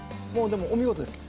でもお見事です。